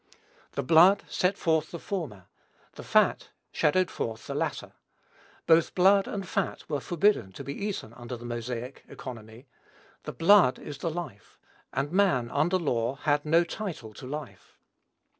"The blood" set forth the former; "the fat" shadowed forth the latter. Both blood and fat were forbidden to be eaten under the Mosaic economy. The blood is the life; and man, under law, had no title to life.